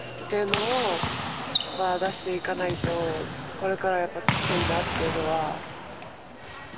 これからはやっぱきついなっていうのは。